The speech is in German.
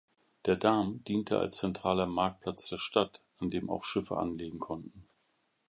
Der Dam diente als zentraler Marktplatz der Stadt, an dem auch Schiffe anlegen konnten.